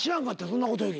そんなことより。